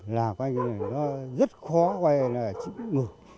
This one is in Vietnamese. là coi như là nó rất khó coi là chỉ ngược